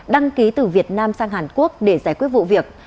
đăng ký từ việt nam sang hàn quốc để giải quyết vụ việc